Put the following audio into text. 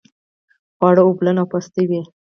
خواړه اوبلن او پستوي.